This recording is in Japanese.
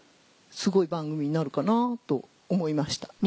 すごい番組になるかなと思いました。